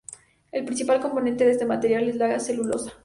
El principal componente de este material es la celulosa.